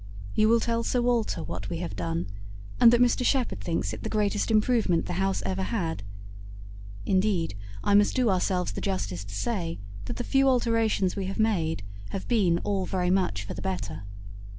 You will tell Sir Walter what we have done, and that Mr Shepherd thinks it the greatest improvement the house ever had. Indeed, I must do ourselves the justice to say, that the few alterations we have made have been all very much for the better.